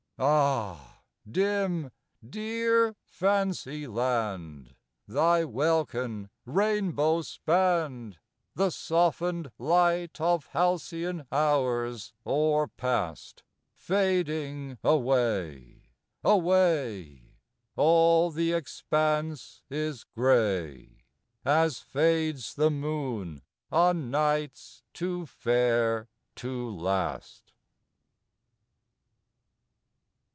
Ah, dim, dear Fancy land ! Thy welkin, rainbow spanned, The softened light of halcyon hours o'er past Fading away, away, All the expanse is gray — As fades the moon on nights too fair to last.